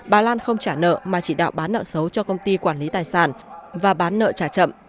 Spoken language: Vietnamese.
bà lan không trả nợ mà chỉ đạo bán nợ xấu cho công ty quản lý tài sản và bán nợ trả chậm